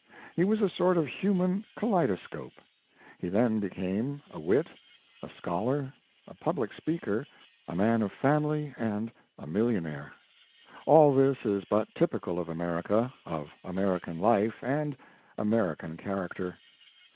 He was a sort of human kaleidoscope . He then became a wit, a scholar, a public speaker, a man of xo Mark Twain family and a millionaire. All this is but typical of America, of American life and American character.